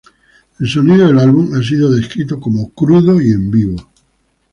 El sonido del álbum ha sido descrito como "crudo" y "en vivo".